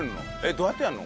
どうやってやるの？